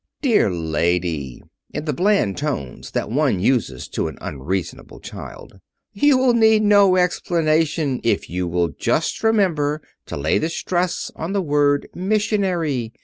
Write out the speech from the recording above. "Dear lady," in the bland tones that one uses to an unreasonable child, "you will need no explanation if you will just remember to lay the stress on the word missionary.